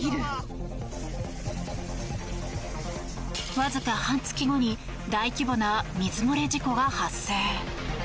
わずか半月後に大規模な水漏れ事故が発生。